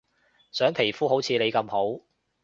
想皮膚好似你咁好